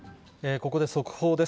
ここで速報です。